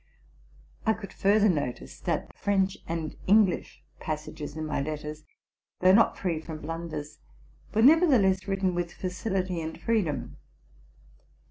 I could further notice that the French and English passages in my letters, although not free from blunders, were neyer theless written with facility and freedom.